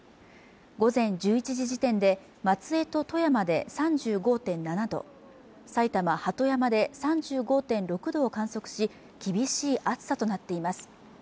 午前１１時時点で松江と富山で３５．７度埼玉・鳩山で３５．６度を観測し厳しい暑さとなっています